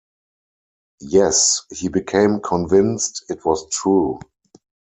Yes, he became convinced it was true.